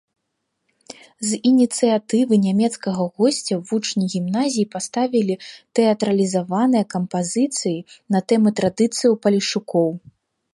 З ініцыятывы нямецкага госця вучні гімназіі паставілі тэатралізаваныя кампазіцыі на тэмы традыцыяў палешукоў.